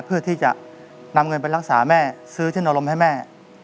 เพื่อที่จะนำเงินไปรักษาแม่ซื้อเช่นอารมณ์ให้แม่